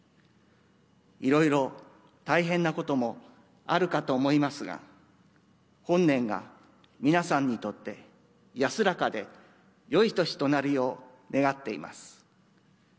いろいろ大変なこともあるかと思いますが、本年が皆さんにとって安らかでよい年となるよう願っています。